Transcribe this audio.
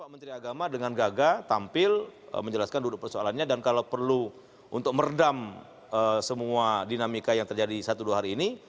menteri agama dengan gaga tampil menjelaskan duduk persoalannya dan kalau perlu untuk meredam semua dinamika yang terjadi satu dua hari ini